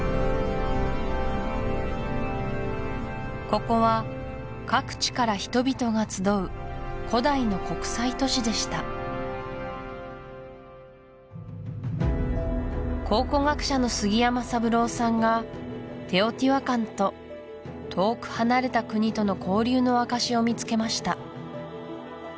ここは各地から人々が集う古代の国際都市でした考古学者の杉山三郎さんがテオティワカンと遠く離れた国との交流の証しを見つけました